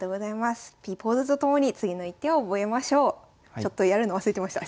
ちょっとやるの忘れてました。